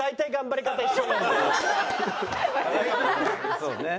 そうね。